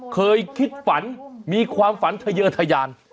เคยคิดฝันมีความฝันทะเยอร์ทะยาน